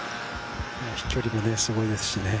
飛距離もすごいですしね。